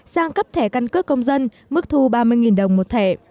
sang cấp thẻ căn cước công dân mức thu ba mươi đồng một thẻ